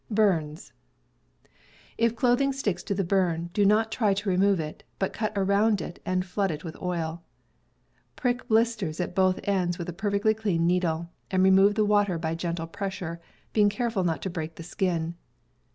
If clothing sticks to the burn, do not try to remove it, but cut around it and flood it with oil. Prick blis ^ ters at both ends with a perfectly clean needle, and remove the water by gentle pressure, being careful not to break the skin.